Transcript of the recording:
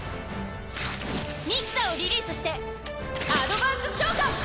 ミキサをリリースしてアドバンス召喚！